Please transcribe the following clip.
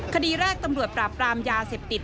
คดีแรกตำรวจปราบปรามยาเสพติด